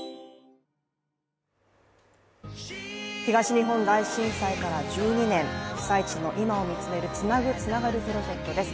東日本大震災から１２年、被災地の今を見つめる「つなぐ、つながるプロジェクト」です。